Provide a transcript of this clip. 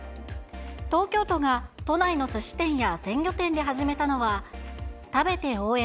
東京都が都内のすし店や鮮魚店で始めたのは、食べて応援！